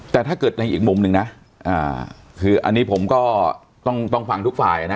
แต่ถ้าเกิดในอีกมุมหนึ่งนะคืออันนี้ผมก็ต้องฟังทุกฝ่ายนะ